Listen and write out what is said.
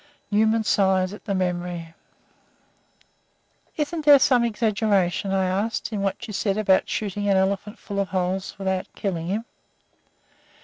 Newman sighed at the memory. "Isn't there some exaggeration," I asked, "in what you said about shooting an elephant full of holes without killing him?"